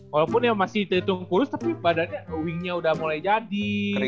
walaupun masih terhitung kurus tapi badannya wingnya udah mulai jadi